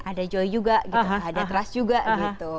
ada joy juga gitu ada trust juga gitu